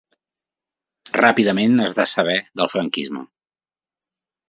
Ràpidament es decebé del franquisme.